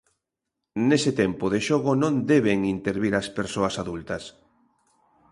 Nese tempo de xogo non deben intervir as persoas adultas.